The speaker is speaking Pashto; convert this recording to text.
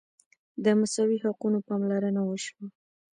د مساوي حقونو پاملرنه وشوه.